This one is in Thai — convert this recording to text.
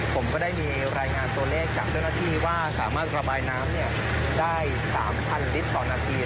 ผมก็ได้มีรายงานตัวเลขจากเจ้าหน้าที่ว่าสามารถระบายน้ำได้๓๐๐ลิตรต่อนาที